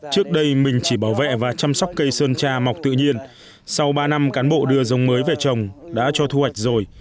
trước đây mình chỉ bảo vệ và chăm sóc cây sơn tra mọc tự nhiên sau ba năm cán bộ đưa giống mới về trồng đã cho thu hoạch rồi